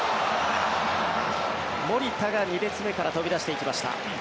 守田が２列目から飛び出していきました。